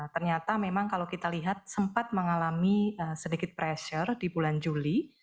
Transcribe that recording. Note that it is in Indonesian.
ternyata memang kalau kita lihat sempat mengalami sedikit pressure di bulan juli